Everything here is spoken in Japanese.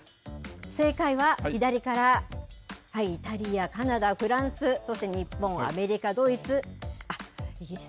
正解は、左からイタリア、カナダ、フランス、そして日本、アメリカ、ドイツ、イギリス。